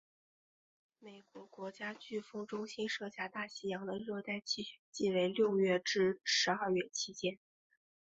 美国国家飓风中心设下大西洋的热带气旋季为六月至十二月期间。